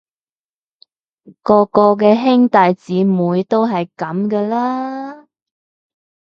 個個嘅兄弟姊妹都係噉㗎啦